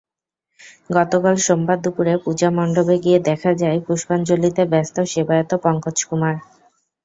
গতকাল সোমবার দুপুরে পূজামণ্ডপে গিয়ে দেখা যায়, পুষ্পাঞ্জলিতে ব্যস্ত সেবায়েত পঙ্কজ কুমার।